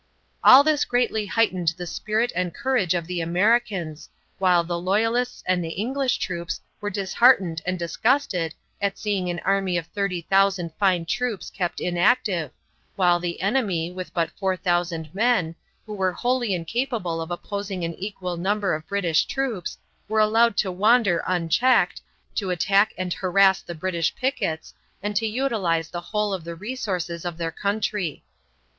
All this greatly heightened the spirit and courage of the Americans, while the loyalists and the English troops were disheartened and disgusted at seeing an army of 30,000 fine troops kept inactive, while the enemy, with but 4000 men, who were wholly incapable of opposing an equal number of English troops, were allowed to wander unchecked, to attack and harass the English pickets, and to utilize the whole of the resources of their country.